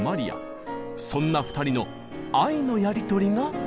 そんな２人の愛のやり取りがこちら！